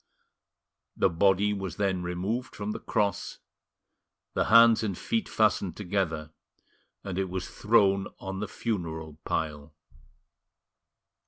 The body was then removed from the cross, the hands and feet fastened together, and it was thrown on the funeral pile.